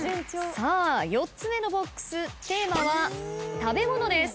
さあ４つ目のＢＯＸテーマは「食べ物」です。